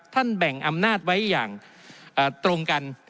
แบ่งอำนาจไว้อย่างตรงกัน